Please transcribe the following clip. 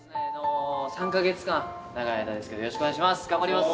３カ月間長い間ですけどよろしくお願いします